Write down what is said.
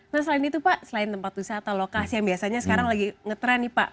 nah selain itu pak selain tempat wisata lokasi yang biasanya sekarang lagi ngetrend nih pak